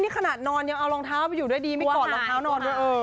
นี่ขนาดนอนยังเอารองเท้าไปอยู่ด้วยดีไม่ถอดรองเท้านอนด้วยเออ